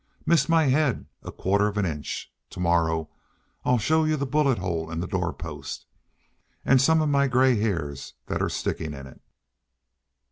Missed my head a quarter of an inch! To morrow I'll show you the bullet hole in the doorpost. An' some of my gray hairs that 're stickin' in it!"